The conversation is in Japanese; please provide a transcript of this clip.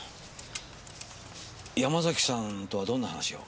山崎さんとはどんな話を？